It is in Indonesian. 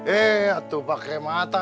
eh atuh pakai mata